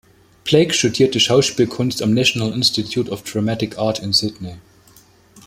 Blake studierte Schauspielkunst am National Institute of Dramatic Art in Sydney.